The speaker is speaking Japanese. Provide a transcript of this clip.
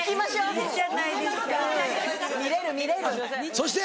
そして。